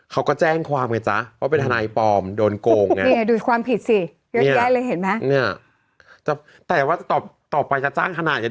ชอบโค้งแล้วไม่อันด้านความแปลกกันกัน